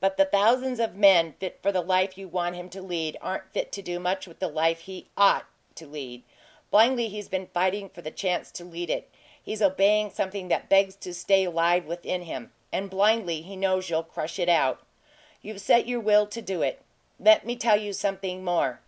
But the thousands of men fit for the life you want him to lead aren't fit to do much with the life he OUGHT to lead. Blindly, he's been fighting for the chance to lead it he's obeying something that begs to stay alive within him; and, blindly, he knows you'll crush it out. You've set your will to do it. Let me tell you something more.